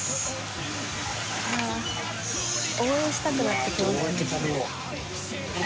加藤）応援したくなってきますね。